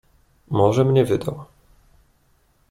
"Może mnie wydał."